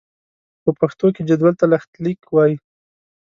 په پښتو کې جدول ته لښتليک وايي.